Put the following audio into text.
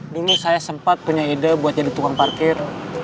dulu saya sempat punya ide buat jadi tukang parkir